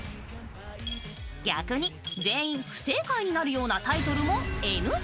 逆に全員不正解になるようなタイトルもＮＧ。